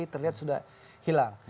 terlihat sudah hilang